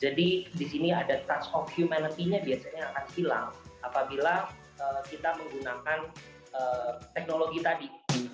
jadi disini ada touch of humanity nya biasanya akan hilang apabila kita menggunakan teknologi tadi